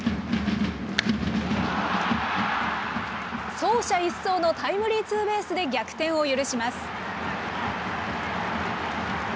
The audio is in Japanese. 走者一掃のタイムリーツーベースで逆転を許します。